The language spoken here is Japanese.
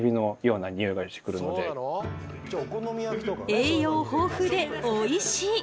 栄養豊富でおいしい！